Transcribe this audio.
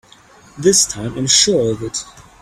This time I'm sure of it!